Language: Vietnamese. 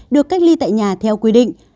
được cách ly tại nhà theo quy định